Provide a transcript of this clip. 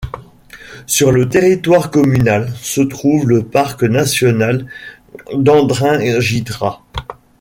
Sur le territoire communal se trouve le parc national d'Andringitra.